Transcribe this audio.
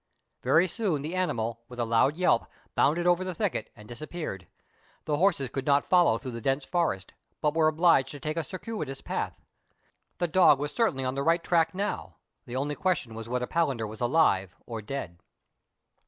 Very soon the animal, with a loud yelp, bounded over the thicket and disappeared. The horses could not follow through the dense forest, but were obliged to take a cir cuitous path. The dog was certainly on the right track now, the only question was whether Palander was alive or dead.